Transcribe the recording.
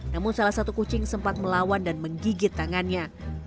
namun salah satu kucing sempat melawan dan menggigit tangannya